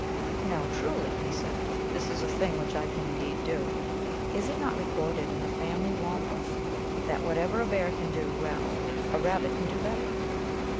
" Now, truly," he said, " this is a thing which I can indeed do. Is it not recorded in the family wampum that whatever a Bear can do well a Rabbit can do bet ter